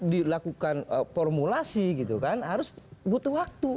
dilakukan formulasi gitu kan harus butuh waktu